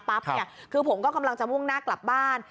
เนี่ยคือผมก็กำลังจะมุ่งหน้ากลับบ้าน